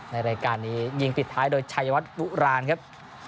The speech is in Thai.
ในรายการนี้ยิงปิดท้ายโดยชัยวัดบุราณครับ